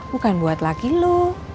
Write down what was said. bukan buat laki lo